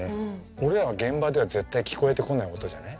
俺らは現場では絶対聞こえてこない音じゃない？